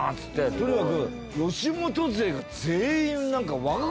とにかく。